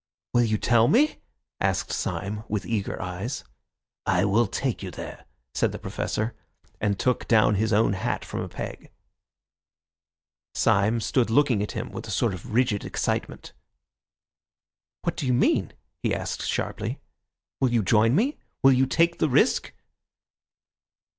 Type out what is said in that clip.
"Will you tell me?" asked Syme with eager eyes. "I will take you there," said the Professor, and took down his own hat from a peg. Syme stood looking at him with a sort of rigid excitement. "What do you mean?" he asked sharply. "Will you join me? Will you take the risk?"